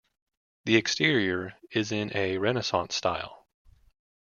The exterior is in a Renaissance style.